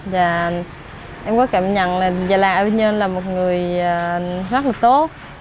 dạ em có cảm nhận là gà làng a ma nhiên là một người rất là tốt